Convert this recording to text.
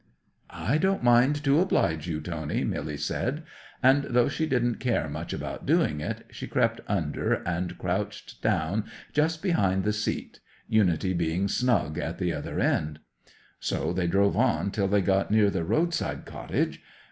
'"I don't mind, to oblige you, Tony," Milly said; and though she didn't care much about doing it, she crept under, and crouched down just behind the seat, Unity being snug at the other end. So they drove on till they got near the road side cottage.